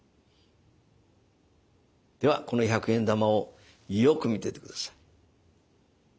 ではこの１００円玉をよく見ててください。